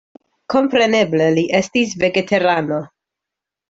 Kompreneble, li estis vegetarano.